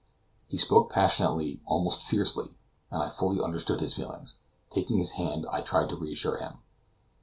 He spoke passionately, almost fiercely, and I fully understood his feelings. Taking his hand, I tried to reassure him.